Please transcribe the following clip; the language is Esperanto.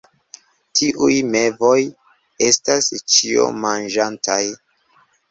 Tiuj mevoj estas ĉiomanĝantaj.